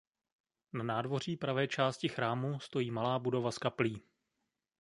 Na nádvoří pravé části chrámu stojí malá budova s kaplí.